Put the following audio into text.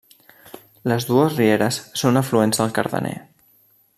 Les dues rieres són afluents del Cardener.